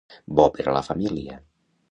Bo per a la família.